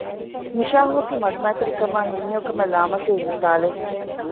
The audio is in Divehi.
ނިޝާހް އަކީ މަޑުމައިތިރި ކަމާއި ހިތްހެޔޮކަމަށް ލާމަސީލު މިސާލެއް